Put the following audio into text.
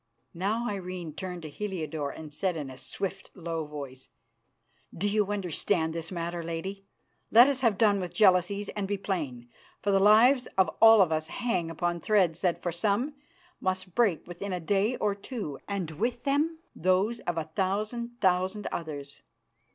Now Irene turned to Heliodore, and said in a swift, low voice: "Do you understand this matter, lady? Let us have done with jealousies and be plain, for the lives of all of us hang upon threads that, for some, must break within a day or two, and with them those of a thousand, thousand others.